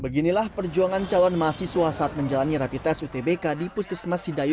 beginilah perjuangan calon mahasiswa saat menjalani rapi tes utbk di pustus mas hidayu